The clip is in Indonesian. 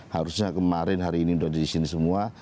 harusnya kemarin hari ini sudah di sini semua